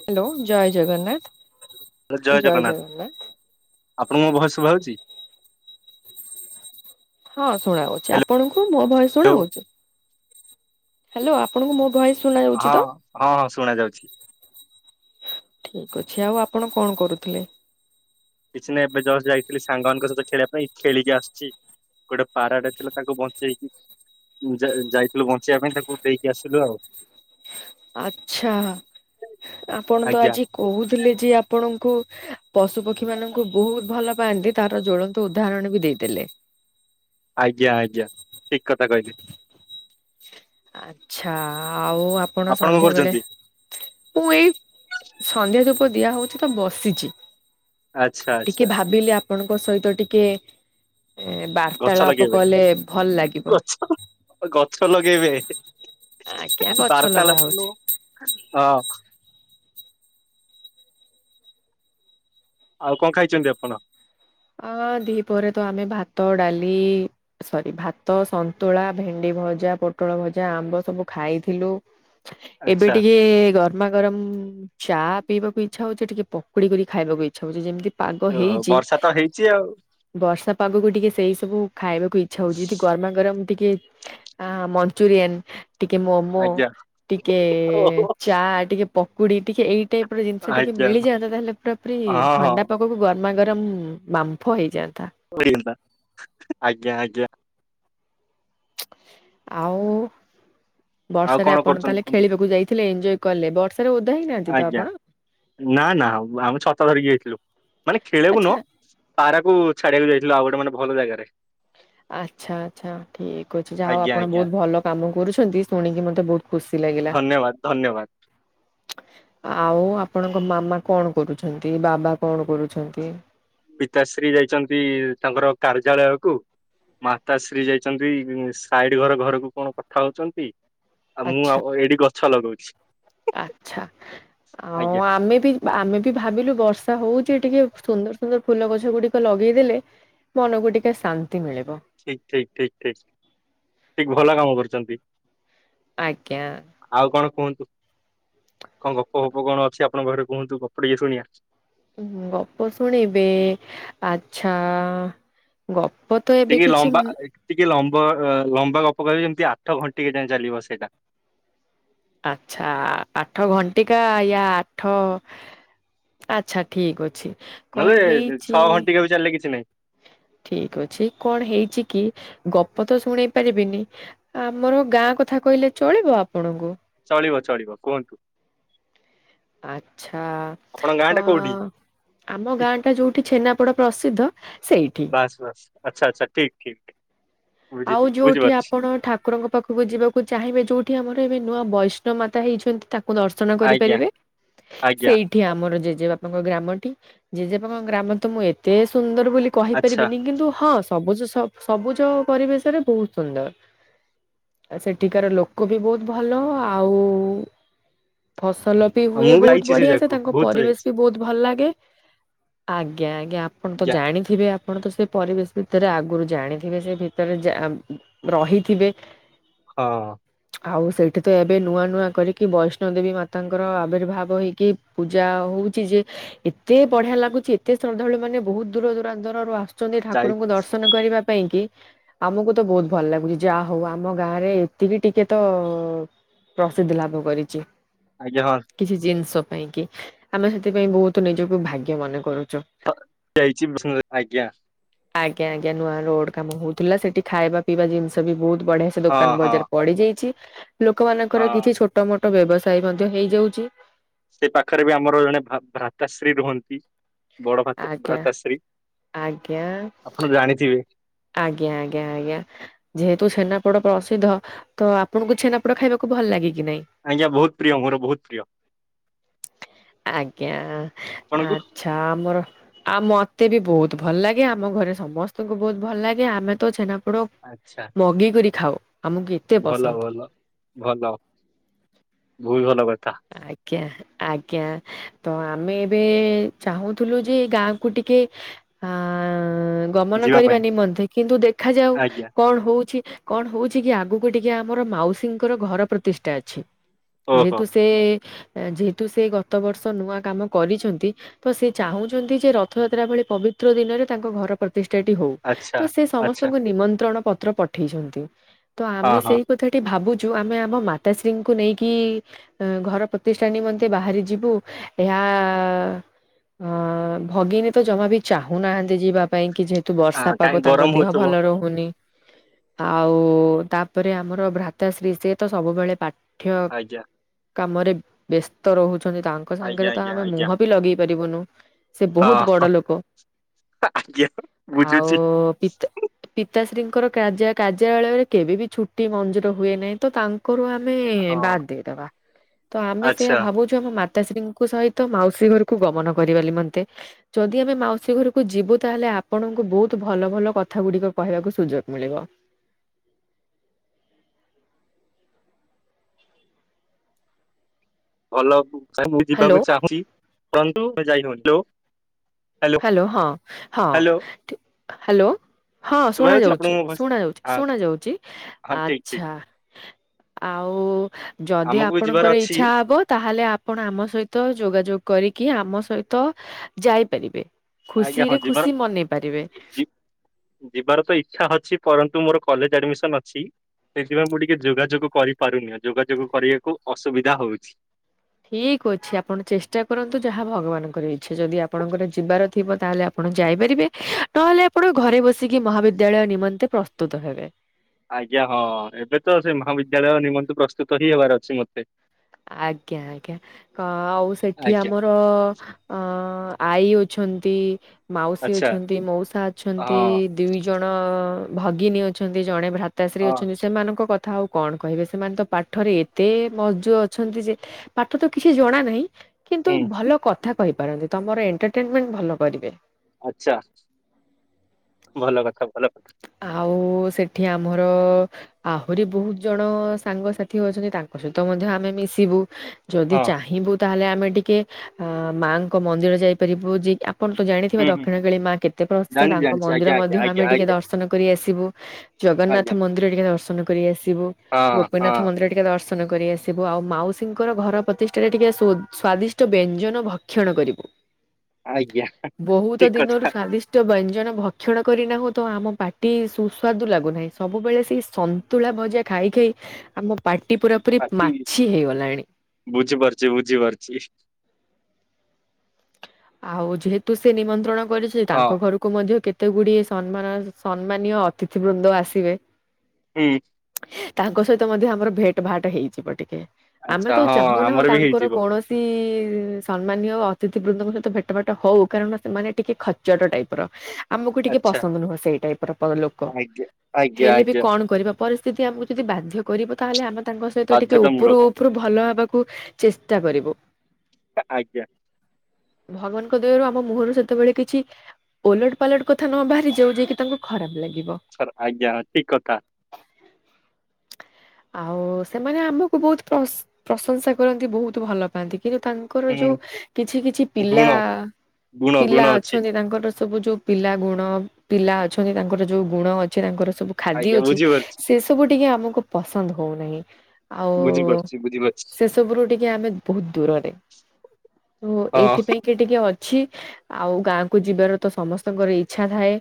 Hello ଜୟ ଜଗନ୍ନାଥ। ଜୟ ଜଗନ୍ନାଥ। ଆପଣଙ୍କୁ ମୋ ଭଏସ ଶୁଭା ହଉଛି? ହଁ ଶୁଣାହୋଉଛି। ଆପଣଙ୍କୁ ମୋ ଭଏସ ହ୍ୟାଲୋ ଶୁଣାହୋଉଛି? ହ୍ୟାଲୋ ଆପଣଙ୍କୁ ମୋ ଭଏସ ଶୁଣା ଯାଉଛି ହଁ ତ? ହଁ ହଁ ଶୁଣା ଯାଉଛି। ଠିକ ଅଛି ଆଉ ଆପଣ କଣ କରୁଥିଲେ? କିଛି ନା ଏବେ ଯୁଷ୍ଟ ଯାଇଥିଲି ସାଙ୍ଗମାନଙ୍କ ସହିତ ଖେଳିବା ପାଇଁ ଖେଳିକି ଆସଛି। ଗୋଟେ ପାରାଟା ଥିଲା ତାକୁ ବଞ୍ଚେଇକି ଯା ଯା ଯାଇଥିଲୁ ବଞ୍ଚେଇବା ପାଇଁ ତାକୁ ଦେଇକି ଆସିଲୁ ଆଉ। ଆଛା ଆପଣ ତ ଆଜ୍ଞା ଆଜି କହୁଥିଲେ ଯେ ଆପଣଙ୍କୁ ପଶୁ ପକ୍ଷୀ ମାନଙ୍କୁ ବହୁତ ଭଲ ପାଆନ୍ତି। ତାର ଜ୍ୱଳନ୍ତ ଉଦାହରଣ ବି ଦେଇଦଲେ। ଆଜ୍ଞା ଆଜ୍ଞା ଠିକ କଥା କହିଲେ। ଆଚ୍ଛା। ଆଉ ଆପଣ କଣ ସନ୍ଧ୍ୟା ବେଳେ କରୁଛନ୍ତି ମୁଁ ଏଇ ସନ୍ଧ୍ୟା ଧୁପ ଦିଆ ହଉଛି ତ ବସିଛି ଆଚ୍ଛା ଟିକେ ଆଚ୍ଛା ଭାବିଲି ଆପଣଙ୍କ ସହିତ ଟିକେ ଏ ଗଛ ବାର୍ତ୍ତାଳାପ ଲଗେଇବେ କଲେ ଭଲ ଲାଗିବ। ଗଛ ଗଛ ଲଗ କେବେ ଆଜ୍ଞା ଗଛ ଲଗା ବାରତାଲାପ ହଉଛି। ନୁ ହଁ। ଆଉ କଣ ଖାଇଛନ୍ତି ଆପଣ? ଅ ଦିହି ପରେ ତ ଆମେ ଭାତ ଡାଲି ସରି ଭାତ ସନ୍ତୁଳା ଭେଣ୍ଡି ଭଜା ପୋଟଳ ଭଜା ଆମ୍ବ ସବୁ ଖାଇଥିଲୁ। ଏବେ ଆଚ୍ଛା ଟିକେ ଗରମା ଗରମ ଚା ପିଇବାକୁ ଇଚ୍ଛା ହଉଛି ଟିକେ ପକୁଡି କରି ଖାଇବାକୁ ଇଚ୍ଛା ହଉଛି ଯେମିତି ପାଗ ଓହୋ ହେଇଚି। ବର୍ଷା ତ ହେଇଛି ଆଉ ବର୍ଷା ପାଗକୁ ଟିକେ ସେଇ ସବୁ ଖାଇବାକୁ ଇଚ୍ଛା ହଉଛି ଯଦି ଗରମା ଗରମ ଏମିତିକି ଆଁ ମଞ୍ଚୁରିଆନ ଟିକେ ମୋମୋ ଆଜ୍ଞା ଟିକେ ଓହୋ ଚା ଟିକେ ପକୁଡି ଟିକେ ଏଇ ଟାଇପ ର ଜିନିଷ ଟିକେ ଆଜ୍ଞା ମିଳିଯାଆନ୍ତା ତାହେଲେ ପୁରା ପୁରି ହଁ ଥଣ୍ଡା ପାଗକୁ ଗରମା ଗରମ ବାମ୍ଫ ହେଇଯାଆନ୍ତା। [unintelligible] ଆଜ୍ଞା ଆଜ୍ଞା। ଆଉ ଆଉ ବର୍ଷାରେ କଣ ଆପଣ କରୁଛନ୍ତି ତାହେଲେ କୁହନ୍ତୁ ଖେଳିବାକୁ ଯାଇଥିଲେ ଏଞ୍ଜୟେ କଲେ ବ କି ନାହାନ୍ତି ତ ଆଜ୍ଞା ଆପଣ? ନା ନା ଆମେ ଛତା ଧରିକି ଯାଇଥିଲୁ ମାନେ ଖେଳିବାକୁ ଆଚ୍ଛା ନୁହଁ। ପାରାକୁ ଛାଡିବାକୁ ଯାଇଥିଲୁ ଆଉ ଗୋଟେ ମାନେ ଭଲ ଜାଗାରେ। ଆଚ୍ଛା ଆଚ୍ଛା ଠିକ ଅଛି ଯାହା ହଉ ଆଜ୍ଞା ଆପଣ ଆଜ୍ଞା। ବହୁତ ଭଲ କାମ କରୁଛନ୍ତି ଶୁଣିକି ମତେ ବହୁତ ଖୁସି ଲାଗିଲା। ଧନ୍ୟବାଦ ଧନ୍ୟବାଦ। ଆଉ ଆପଣଙ୍କ ମାମା କଣ କରୁଛନ୍ତି ବାବା କଣ କରୁଛନ୍ତି? ପିତାଶ୍ରୀ ଯାଇଛନ୍ତି ତାଙ୍କର କାର୍ଯ୍ୟାଳୟକୁୁ। ମାତା ଶ୍ରୀ ଯାଇଛନ୍ତି ସାଇଡ ଘର ଘରକୁ କଣ କଥା ହଉଛନ୍ତି। ଆଉ ମୁଁ ଆଚ୍ଛା ଆଉ ଏଇଠି ଗଛ ଲଗଉଛି। ଆଚ୍ଛା ଆଉ ଆଜ୍ଞା ଆମେ ବି ଆମେ ବି ଭାବିଲୁ ବର୍ଷା ହଉଛି ଟିକେ ସୁନ୍ଦର ସୁନ୍ଦର ଫୁଲ ଗଛ ଗୁଡିକ ଲଗେଇଦେଲେ ମନକୁ ଟିକେ ଶାନ୍ତି। ମିଳିବ ଠିକ ଠିକ ଠିକ ଠିକ ଠିକ ଭଲ କାମ କରୁଛନ୍ତି। ଆଜ୍ଞା। ଆଉ କଣ କୁହନ୍ତୁ କଣ ଗପ ଫପ କଣ ଅଛି ଆପଣଙ୍କ ଘରେ କୁହନ୍ତୁ ଗପ ଟିକେ ସୁଣିଆ। ଉଁ ଗପ ଶୁଣିବେ ଆଚ୍ଛା ଗପ ତ ଏବେ ଟିକେ କିଛି ଲମ୍ବା ଏ ଟିକେ ଲମ୍ବା ବ ଅ ଲମ୍ବା ଗପ କରିବେ ଯେମିତି ଆଠ ଘଣ୍ଟିକା ଯାଏ ଚାଲିବ ସେଇଟା। ଆଚ୍ଛା ଆଠ ଘଣ୍ଟିିକା ୟା ଆଠ ଆଚ୍ଛା ଠିକ ଅଛି। କଣ ନେଲେ ହେଇଛି ଛଅ ଘଣ୍ଟିକା ବି ଚାଲିଲେ କିଛି ନାହିଁ। ଠିକ ଅଛି କଣ ହେଇଛି କି ଗପ ତ ଶୁଣେଇ ପାରିବିନି ଆମର ଗାଁ କଥା କହିଲେ ଚଳିବ ଆପଣଙ୍କୁ? ଚଳିବ ଚଳିବ କୁହନ୍ତୁ। ଆଚ୍ଛା ଆପଣଙ୍କ ଗାଁ କ ଟା କୋଉଠି? ଆମ ଗାଁ ଟା ଯୋଉଠି ଛେନାପୋଡା ପ୍ରସିଦ୍ଧ ସେଇଠି। ବାସ୍ ଆଚ୍ଛା ଆଚ୍ଛା ଠିକ୍ ଠିକ୍। ଆଉ ଯୋଉଠି ଆପଣ ଠାକୁରଙ୍କ ପାଖକୁ ଯିବାକୁ ଚାହିଁବେ ଯୋଉଠି ଆମର ଏବେ ନୂଆ ବୈଷ୍ଣ ମାତା ହେଇଛନ୍ତି ତାକୁ ଦର୍ଶନ ଆଜ୍ଞା କରିପାରିବେ ଆଜ୍ଞା। ସେଇଠି ଆମର ଜେଜେବାପାଙ୍କ ଗ୍ରାମ ଟି ଜେଜେବାପାଙ୍କ ଗ୍ରାମ ତ ମୁଁ ଏତେ ସୁନ୍ଦର ବୋଲି ଆଚ୍ଛା କହିପାରିବିନି କିନ୍ତୁ ହଁ। ସବୁଜ ସ ସବୁଜ ପରିବେଶରେ ବହୁତ ସୁନ୍ଦର। ଆଉ ସେଠିକାର ଲୋକ ବି ବହୁତ ଭଲ ଆଉ ଫସ ତଲପି ହୁଏ ମୁଁ ବି ବହୁତ ଯାଇଛି ବଢିଆ ସେ ଜାଗାକୁ ତାଙ୍କ ବହୁତ ଥର ପରିବେଶ ଯାଇଛି ବି ବହୁତ ଭଲ ଲାଗେ ଆଜ୍ଞା ଆ ଆଜ୍ଞା ଆପଣ ତ ଆଜ୍ଞା ଜାଣିଥିବେ ଆପଣ ତ ସେ ପରିବେଶ ଭିତରେ ଆଗରୁ ଜାଣିଥିବେ ସେ ଭିତ ରହିଥିବେ। ହଁ। ଆଉ ସେଇଠି ତ ଏବେ ନୂଆ ନୂଆ କରିକି ବୈଷ୍ଣୋ ଦେବୀ ମାତାଙ୍କର ଆବିର୍ଭାବ ହେଇକି ପୂଜା ହଉ ଏତେ ବଢିଆ ଲାଗୁଛି ଏତେ ଶ୍ରଦ୍ଧାଳୁ ମାନେ ବହୁତ ଦର ଦରାନ୍ତରୁ ଆ ଛନ୍ତି ଯାଇ ଠାକୁରଙ୍କୁ ଦର୍ଶନ କରିବା ପାଇଁ କି। ଆମକୁ ତ ବହୁତ ଭଲ ଲାଗୁଛି ଯାହା ହଉ ଆମ ଗାଁ ରେ ଏତିକି ଟିକେ ତ ପ୍ରସିଦ୍ଧି ଲାଭ କରିଛି। ଆଜ୍ଞା ହଁ କିଛି ଜିନିଷ ପାଇଁ କି ଆମେ ସେଥିପାଇଁ ବହୁତ ନିଜକୁ ଭାଗ୍ୟ ମନେ କରୁଛୁ ହ ଯାଇଛି ପସ ଆଞା। ଆଜ୍ଞା ଆଜ୍ଞା ନୂଆ ରୋଡ କାମ ହଉଥିଲା ସେଠି ଖାଇବା ପିଇବା ଜିନିଷ ବି ବହୁତ୍ ହୁ ବଢିଆ ସେ ହଁ ଦୋକାନ ହଁ ବଜାର ପଡିଯାଇଛି। ଲୋକମାନାନଙ୍କର ହଁ। କିଛି ଛୋଟ ମୋଟ ବ୍ୟବସାୟ ମଧ୍ୟ ହେଇଯାଉଛି। ସେ ପାଖରେ ବି ଆମର ଜଣେ ଭ୍ରାତାଶ୍ରୀ ରୁହନ୍ତି। ବଡ ଭ୍ରାତା- ଆଜ୍ଞା ଭ୍ରାତାଶ୍ରୀ। ଆଜ୍ଞା। ଆପଣ ଜାଣିଥିବେ ଆଜ୍ଞା ଆଜ୍ଞା ଆଜ୍ଞା ଯେହେତୁ ସେନ ବଟ ପ୍ରସିଦ୍ଧ ତ ଆପଣଙ୍କୁ ଛେନାପୋଡ଼ ଖାଇବାକୁ ଭଲ ଲାଗେ। କି ନାଇଁ? ଆଜ୍ଞା ବହୁତ ପ୍ରିୟ ମୋର ବହୁତ ପ୍ରିୟ। ଆଜ୍ଞା ଆପଣଙ୍କୁ? ଆଚ୍ଛା ଆମର ଆ ମତେ ବି। ବହୁତ ଭଲ ଲାଗେ ଆମ ଘରେ ସମସ୍ତଙ୍କୁ ବହୁତ ଭଲ ଲାଗେ ଆମେ ତ ଛେନାପୋ ପୋଡ ଆଚ୍ଛା ମଗେଇ କରି ଖାାଉ ଆମକୁ ଏତେ ଭଲ ପସନ୍ଦ। ବୋହୁତ ଭଲ ପାଏ। ଆଜ୍ଞା। ଆଜ୍ଞା ତ ଆମେ ଏବେ ଚାହୁଁଥିଲୁ ଯେ ଗାଁ କ ଟିକେ ଅ ଅ ଗମନ ଯିବା କରିବା ପାଇଁ ନିମନ୍ତେ କିନ୍ତୁ ଦେଖାଯାଉ ଆଜ୍ଞା କଣ ହଉଛି। କଣ ହଉଛି କି ଆଗକୁ ଟିକେ ଆମର ମାଉସୀଙ୍କର ଘର ପ୍ରତିଷ୍ଠା ଅଛି। ଓଃ ହୋ। ଯେହେତୁ ସେ ଯେହେତୁ ସେ ଗତ ବର୍ଷ ନୂଆ କାମ କରିଛନ୍ତି ତ ସେ ଚାହୁଁଛନ୍ତି ଯେ ରଥ ଯାତ୍ରା ଭଳି ପବିତ୍ର ଦିନରେ ତାଙ୍କ ଘର ପ୍ରତି ପ୍ରତିଷ୍ଠାଟି ହଉ ଆଚ୍ଛା ତ ସେ ଆଚ୍ଛା ସମସ୍ତଙ୍କୁ ନିମନ୍ତ୍ରଣ ପତ୍ର ପଠେଇଛନ୍ତି। ତ ହଁ ଆମେ ହଁ ସେଇ କଥାଟି ଭାବୁଛୁ ଆମେ ଆମ ମାତାଶ୍ରୀଙ୍କୁ ନେଇକି ଅ ଘର ପ୍ରତିଷ୍ଠା ନିମନ୍ତେ ବାହାରି ଯିବୁ ଏହା ଅ ଭଗିନୀ ତ ଜମା ବି ଚାହୁଁନାହାନ୍ତି ଯିବା ପାଇଁ କି ଯେହେତୁ ତୁ ବର୍ଷା ହଁ ପାଗ କାହିଁ ତାଙ୍କ ଗରମ ଦେହ ଭଲ ହଉଥିବ ରହୁନି। ଆଉ ତାପରେ ଆମର ଭ୍ରାତାଶ୍ରୀ ସେ ତ ସବୁବେଳେ ପା ଆଜ୍ଞା। କାମରେ ବ୍ୟସ୍ତ ରହୁଛନ୍ତି ତାଙ୍କ ସାଙ୍ଗରେ ଆଜ୍ଞା ତ ଆଜ୍ଞା ଆମେ ଆଜ୍ଞା ମୁହଁ ବି ଲଗେଇ ପାରିବୁନୁ। ସେ ବହୁତ୍ ହଁ ବଡ଼ ଲୋକ। ଆଜ୍ଞା ଆଉ ବୁଝୁଛି ପିତା ପିତାଶ୍ରୀଙ୍କୁ ଙ୍କର କାର୍ଯ୍ୟାଳୟରେ କେବେ ବିି ଛୁଟି ମଞ୍ଜୁର ହୁଏ ନାହିଁ ତ ତାଙ୍କ ଆମେ ହଁ ବାଦ୍ ଦେଇଦବା ତ ଆମେ ସେଆ ଆଚ୍ଛା ଭାବୁଛୁ ଆମ ମାତାଶ୍ରୀଙ୍କ ସହିତ ମାଉସୀ ଘରକୁ ଗମନ କରିବା ନିମନ୍ତେ ଯଦି ଆମେ ମାଉସୀ ଘରକୁ ଯିବୁ ତା ତାହେଲେ ଆପଣଙ୍କୁ ବହୁତ ଭଲ ଭଲ କଥା ଗୁଡିକ କହିବାକୁ ସୁଯୋଗ ମିଳିବ। ଭଲ ମୁ ହ୍ୟାଲୋ। ଯିବାକୁ ଚାହୁଁଛି ଯାଇହଉନି। ହାଲୋ ହଁ ହଁ ହାଲୋ। ହଁ ଶୁଣା ଶୁଭାଯାଉଛି ଯାଉଛି ଆପଣଙ୍କୁ ମୋ ଭଏସ ଶୁଣା ଯାଉଛି ହଁ ଶୁଣା ଯାଉଛି ହଁ ଠିକ ଠିକ ଆଚ୍ଛା। ଆଉ। ଯଦି ଆମକୁ ବି ଯିବାର ଆପଣଙ୍କର ଅଛି ଇଚ୍ଛା ହବ ତାହେଲେ ଆପଣ ଆମ ସହିତ ଯୋଗାଯୋଗ କରିକି କି ଆମ ସହିତ ଯାଇପାରିବେ। ଆଜ୍ଞା ହଁ ଖୁସିରେ ଯି ଖୁସି ମନେଇ ପାରିବେ ଯିବାର ଯିବାର ତ ଇଚ୍ଛା ଅଛି ପରନ୍ତୁ କିନ୍ତୁ ମୋର କଲେଜ ଆଡ଼ିମିସନ୍ ଅଛି। ସେଥିପାଇଁ ମୁଁ ଟିକେ ଯୋଗାଯୋଗ କରିପାରୁନି ଯୋଗାଯୋଗ କରିବାକୁ ଅସୁବିଧା ହଉଛି। ଠିକ ଅଛି ଆପଣ ଚେଷ୍ଟା କରନ୍ତୁ ଯାହା ଭଗବାନଙ୍କର ଇଚ୍ଛା ଯଦି ଆପଣଙ୍କର ଯିବାର ଥିବ ତାହେଲେ ଆପଣ ଯାଇପାରିବେ ନହେଲେ ଆପଣ ଘରେ ବସିକି ମହାବିଦ୍ୟାଳୟ ନିମନ୍ତେ ପ୍ରସ୍ତୁତ ହେବେ। ଆଜ୍ଞା ହଁ ଏବେ ତ ସେ ମହାବିଦ୍ୟାଳୟ ନିମନ୍ତେ ପ୍ରସ୍ତୁତ ହିଁ ହେବାର ଅଛି ମତେ। ଆଜ୍ଞା ଆଜ୍ଞା ଆଉ ସେଠି ଆଜ୍ଞା। ଆମର ଅ ଆଈ ଅଛନ୍ତି ମାଉସୀ ଆଚ୍ଛା ଅଛନ୍ତି ମଉସା ଅଛନ୍ତି ହଁ ଦୁଇ ଜଣ ଭଗିନୀ ଅଛନ୍ତି ଜଣେ ଭ୍ରାତାଶ୍ରୀ ହଁ ଅଛନ୍ତି ସେମାନଙ୍କ କଥା ଆଉ। କଣ କହିବେ ସେମାନେ ତ ପାଠରେ ଏତେ ମଜଜୁର ଅଛନ୍ତି ଯେ ପାଠ ତ କିଛି ଜଣା ନାହିଁ। କିନ୍ତୁ ହୁଁ ଭଲ କଥା କହିପାରନ୍ତି ତମର ଏଣ୍ଟରଟେନମେଣ୍ଟ ଭଲ କରିବେ। ଆଚ୍ଛା ଭଲ କଥା ଭଲ କଥା। ଆଉ ସେଠି ଆମର ଆହୁରି ବହୁତ ଜଣ ସାଙ୍ଗସାଥି ଅଛନ୍ତି ତାଙ୍କ ସହିତ ମଧ୍ୟ ଆମେ ମି ସିବୁ ଯଦି ହଁ। ଚାହିଁବୁ। ତାହେଲେ ଆମେ ଟିକେ ଅ ମାଙ୍କ ମନ୍ଦିର ଯାଇପାରିବୁ ଯେ। ଆପଣ ତ ଜାଣିଥିବେ ହୁଁ ହୁଁ ଦକ୍ଷିଣକାଳି ମା କେତେ ପ୍ରସିଦ୍ଧ ଜାଣିଛି ତାଙ୍କ ଜାଣିଛି ମନ୍ଦିର ଆଜ୍ଞା ମଧ୍ୟ ଆଜ୍ଞା ଆମେ ଆଜ୍ଞା ଟିକେ ଆଜ୍ଞା ଦର୍ଶନ କରି ଆସିବୁ। ଜଗନ୍ନାଥ ଆଜ୍ଞା ମନ୍ଦିର ଟିକେ ଦର୍ଶନ କରି ଆସିବୁ ହଁ ଗୋପୀନାଥ ହଁ। ମନ୍ଦିର ଟିକେ ଦର୍ଶନ କରି ଆସିବୁ ଆଉ। ମାଉସୀଙ୍କର ଘର ପ୍ରତିଷ୍ଠାରେ ଟିକେ ସୋ ସ୍ଵାଦିଷ୍ଟ ବ୍ୟଞ୍ଜନ ଭକ୍ଷଣ କରିବୁ। ଆଜ୍ଞା ବହୁତ ଠିକ ଦିନରୁ କଥା ସ୍ଵାଦିଷ୍ଟ ବ୍ୟଞ୍ଜନ ଭକ୍ଷଣ କରିନାହୁନ୍ତି। ତ ଆମ ପାଟି ସୁସ୍ୱାଦୁ ଲାଗୁନାହିଁ ସବୁବେଳେ ସେ ସନ୍ତୁଳା ଭଜା ଖାଇ ଖାଇ ଆମ ପାଟି ପାଟି ପୁରାପୁରୀ ମା ପାଟି ବୁଝିପାରୁଛି ବୁଝିପାରୁଛି ଆଉ ଯେହେତୁ ସେ ନିମନ୍ତ୍ରଣ କରିଛନ୍ତି ହଁ ତାଙ୍କ ଘରକୁ ମଧ୍ୟ କେତେ ଏତେ ଗୁଡିଏ ସମ୍ମାନ ସମ୍ମାନୀୟ ଅତିଥି ବୃନ୍ଦ ଆସିବେ ହୁଁ ତାଙ୍କ ସହିତ ମଧ୍ୟ ଆମର ଭେଟ ଭାଟ ହେଇଯିବ ଟିକେ ଆମେ ଆଚ୍ଛା ତ ହଁ ଚାହୁଁନାହୁଁ ଆମର ବି ତାଙ୍କର ହେଇଯିବ କୌଣସି ସମ୍ମାନୀୟ ଅତିଥି ବୃନ୍ଦଙ୍କ ସହିତ ଭେଟ ବାେଟ ହଉ କାରଣ ସେମାନେ ଟିକେ ଖଚଟ ଟାଇପ ର ଆମକୁ ଟିକେ ଆଚ୍ଛା ପସନ୍ଦ ନୁହଁ ସେଇ ଟାଇପ ର ଲୋକ ଆଜ୍ଞା ଆଜ୍ଞା ହେଲେ ବି ଆଜ୍ଞା। କଣ କରିବା ପରି ସ୍ଥିତି ଆମକୁ ଯଦି ବାଧ୍ୟ କରିବ ତାହେଲେ ଆମେ ତାଙ୍କ ସହିତ ଟିକେ ଉପରୁ ବାଧ୍ୟତାମୂଳକ ଉପରୁ ଭଲ ହେବାକୁ କୁ ଚେଷ୍ଟା କରିବୁ ଆଜ୍ଞା ଭଗବାନଙ୍କ ଦୟା ରୁ ଆମ ମୁହଁରୁ ସେତେବେଳେ କିଛି ଓଲଟ ପାଲଟ କଥା ନ ବାହାରି ଯୋଉ ଯା କିି ତାଙ୍କୁ ଖରାପ ଲାଗି ସାର୍ ଆଜ୍ଞା ଠିକ କଥା ଆଉ ସେମାନେ ଆମକୁ ବହୁତ ପ୍ରସ ପ୍ରଶଂସା କରନ୍ତି ବହୁତ ଭଲ ପାଆନ୍ତି। କିନ୍ତୁ ତାଙ୍କର ଯୋଉ ହୁଁ କିଛି କିଛି ପିଲା ଗୁଣ ଗୁଣ ପିଲା ଗୁଣ ଅଛି ଅଛନ୍ତି ତାଙ୍କର ସବୁ ଯୋଉ ପିଲା ଗୁଣ ପିଲା ଅଛନ୍ତି ତାଙ୍କର ଯୋଉ ଗୁଣ ଅଛି ତାଙ୍କର ସବୁ ଖାଦି ଆଜ୍ଞା ଅଛି ବୁଝିପାରୁଛି ସେ ସବୁ ଟିକେ ଆମକୁ ପସନ୍ଦ ହଉନାହିଁ ଆଉ ବୁଝିପାରୁଛି ବୁଝିପାରୁଛି। ସେସବୁ ରୁ ଟିକେ ଆମେ ବହୁତ ଦୂରରେ ତ ହଁ ଏଇଥିପାଇଁ କି ଟିକେ ଅ ଛି ଆଉ ଗାଁକୁ ଯିବାର ତ ସମସ୍ତଙ୍କର ଇଛା ଥାଏ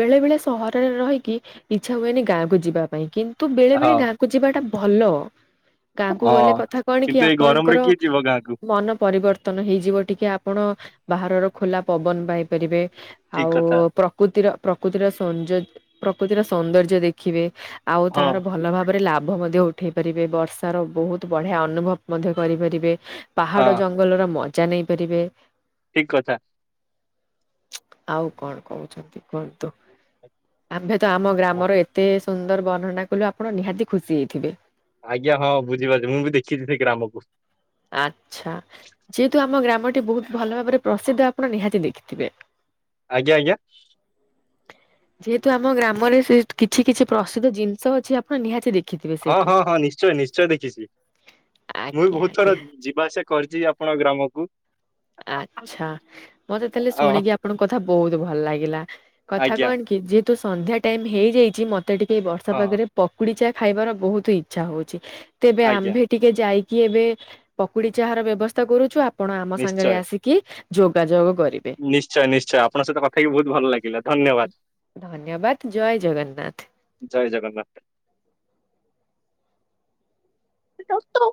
ବେଳେ ବେଳେ ସହରରେ ରହିକି ଇଚ୍ଛା ହୁଏନି ଗାଁକୁ ଯିବା ପାଇଁ କିନ୍ତୁ ବେଳେ ବେଳେ ହଁ ଗାଁକୁ ଯିବାଟା ଭଲ ଗାଁକୁ ଗଲେ ହଁ କଥା କଣ କି କିନ୍ତୁ ଏଇ ଗରମରେ ଆପଣଙ୍କର କିଏ ଯିବ ଗାଁକୁ ମନ ପରିବର୍ତ ତନ ହେଇଯିବ ଟିକେ ଆପଣ ବାହାରର ଖୋଲା ପବନ ପାଇପାରିବେ ଠିକ ଆଉ କଥା ପ୍ରକୃତିର ପ୍ରକୃତିର ସୌନ୍ଦ ପ୍ରକୃତିର ସୌନ୍ଦର୍ଯ୍ୟ ଦେଖିବେ ଆଉ ହଁ ତାର ଭଲ ଭାବ ଉପରେ ଲାଭ ମଧ୍ୟ ଉଠେଇ ପାରିବେ ବର୍ଷ ର ବହୁତ ବଢିଆ ଅନୁଭବ ମଧ୍ୟ କରିପାରିବେ। ପାହାଡ ହଁ ଜଙ୍ଗଲର ମଜା ନେଇପାରିବେ। ଠିକ କଥା ଆଉ କଣ କହୁଛନ୍ତି କୁହନ୍ତୁ ଆମ୍ଭେ ତ ଆମ ହଁ ଗ୍ରାମର ଏତେ ସୁନ୍ଦର ବର୍ଣ୍ଣନା କଲୁ ଆପଣ ନିହାତି ଖୁସି ହେଇଥିବେ ଆଜ୍ଞା ହଁ ବୁଝିପାରୁଛି ମୁଁ ବି ଦେଖିଛି ସେ ଗ୍ରାମକୁ ଆଛା ଯେହେତୁ ଆମ ଗ୍ରାମ ଟି ବହୁତ ଭଲ ଭାବରେ ପ୍ରସିଦ୍ଧ ଆପଣ ନିହାତି ଦେଖିଥିବେ ଆଜ୍ଞା ଆଜ୍ଞା ଯେହେତୁ ଆମ ଗ୍ରାମରେ ସେ କିଛି କିଛି ପ୍ରସିଦ୍ଧ ଜିନିଷ ଅଛି, ଆପଣ ନିହାତି ଦେଖିଥିବେ ହଁ ସେଇଠି। ହଁ ହଁ ନିଶ୍ଚୟ ନିଶ୍ଚୟ ଦେଖିଛି ମୁଁ ବି ଆଜ୍ଞା ବହୁତ ଆଜ୍ଞା ଥର ଯିବା ଆସିବା କରିଛି ଆପଣ ଗ୍ରାମକୁ। ଆଚ୍ଛା ମତେ ତାହେଲେ ହଁ ଶୁଣିକି ଆପଣଙ୍କ କଥା ବହୁତ ଭଲ ଲାଗିଲା କଥା ଆଜ୍ଞା କଣ କି ଯି ତ ସନ୍ଧ୍ୟା ଟାଇମ ହେଇଯାଇଛି ମତେ ଟିକେ ବର୍ଷା ହଁ ପାଗରେ ପକୁଡ଼ିଚା ଖାଇବାର ବହୁତ ଇଚ୍ଛା ହଉଛି ତେବେ ଆଜ୍ଞା ଆମ୍ଭେ ଟିକେ ଯାଇକି କି ଏବେ ପକୁଡି ଚା ର ବ୍ୟବସ୍ଥା କରୁଛୁ ଆପଣ ଆମ ସାଙ୍ଗରେ ନିଶ୍ଚୟ ଆସିକି ଯୋଗାଯୋଗ କରିବେ। ନିଶ୍ଚୟ ନିଶ୍ଚୟ ଆପଣଙ୍କ ସହିତ କଥାହେଇକି ବହୁତ ଭଲ ଲାଗିଲା ଧନ୍ୟବାଦ। ଧନ୍ୟବାଦ ଜୟ ଜଗନ୍ନାଥ ଜୟ ଜଗନ୍ନାଥ। ୁ [inaudible]